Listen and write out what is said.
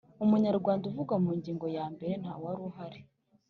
Umunyarwanda uvugwa mu ngingo ya mbere ntawa ru hari